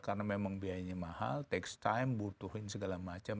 karena memang biayanya mahal takes time butuhin segala macam